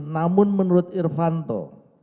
namun menurut irvanto